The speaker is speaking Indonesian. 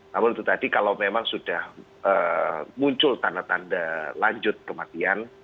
namun itu tadi kalau memang sudah muncul tanda tanda lanjut kematian